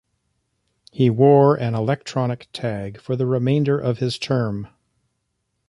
He wore an electronic tag for the remainder of his term.